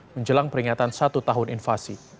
menjelang peringatan satu tahun invasi